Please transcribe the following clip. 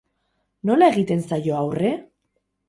Nola egiten zaio aurre?